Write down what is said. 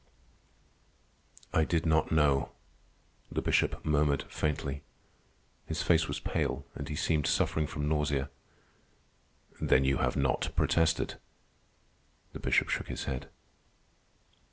_" "I did not know," the Bishop murmured faintly. His face was pale, and he seemed suffering from nausea. "Then you have not protested?" The Bishop shook his head.